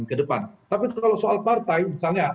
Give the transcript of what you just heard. ke depan tapi kalau soal partai misalnya